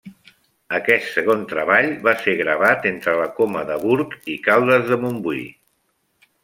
Aquest segon treball va ser gravat entre la Coma de Burg i Caldes de Montbui.